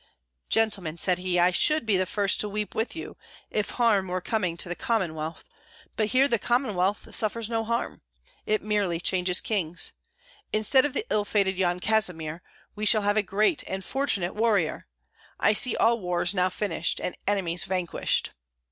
"Gentlemen," said he, "I should be the first to weep with you, if harm were coming to the Commonwealth; but here the Commonwealth suffers no harm, it merely changes kings. Instead of the ill fated Yan Kazimir we shall have a great and fortunate warrior. I see all wars now finished, and enemies vanquished."